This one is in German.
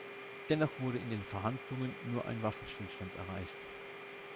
Dennoch wurde in den Verhandlungen nur ein Waffenstillstand erreicht.